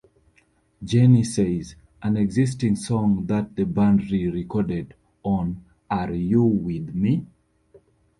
"Jenny Says", an existing song that the band re-recorded on "Are You With Me?